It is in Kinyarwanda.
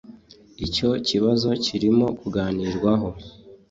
Icyo kibazo kirimo kuganirwaho